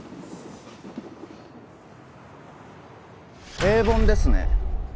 平凡ですね。